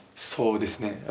そうですね。